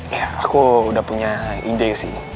ya aku udah punya ide sih